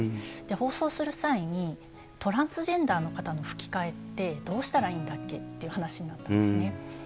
放送する際に、トランスジェンダーの方の吹き替えってどうしたらいいんだっけっていう話になったんですね。